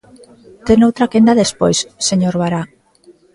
Ten outra quenda despois, señor Bará.